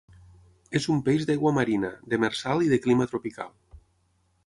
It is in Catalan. És un peix d'aigua marina, demersal i de clima tropical.